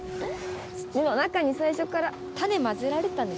土の中に最初から種交ぜられてたんでしょ。